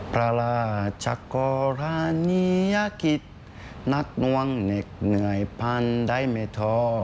พระราชกุราเนียกิจนักนวงเหน็ดเหนื่อยพันธุ์ได้ไม่ท้อ